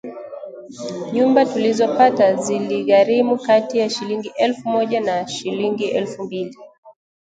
Nyumba tulizopata ziligharimu kati ya shilingi elfu moja na shilingi elfu mbili